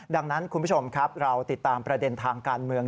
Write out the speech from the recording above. ดังนั้นคุณผู้ชมครับเราติดตามประเด็นทางการเมือง